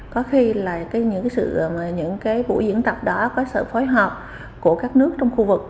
có khi là những cái buổi diễn tập đó có sự phối hợp của các nước trong khu vực